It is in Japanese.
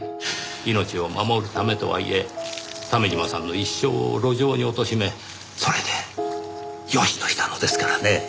命を守るためとはいえ鮫島さんの一生を路上に貶めそれでよしとしたのですからねぇ。